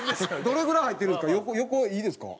どれぐらい入ってるんですか？